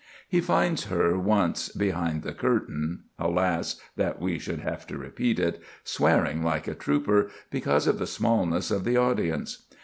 He finds her once behind the curtain,—alas, that we should have to repeat it!—swearing like a trooper because of the smallness of the audience.